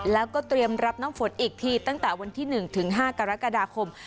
แล้วก็เตรียมรับน้ำฝนอีกทีตั้งแต่วันที่๑ถึง๕กรกฎาคม